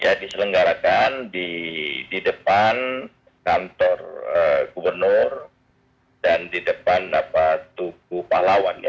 ya diselenggarakan di depan kantor gubernur dan di depan tugu pahlawan